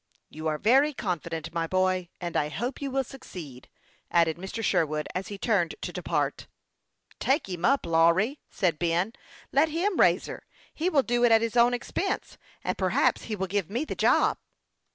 " You are very confident, my boy, and I hope you will succeed," added Mr. Sherwood, as he turned to depart. " Take him up, Lawry," said Ben. " Let him raise her. He will do it at his own expense, and perhaps he will give me the job."